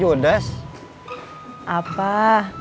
dik dik yang bakal naik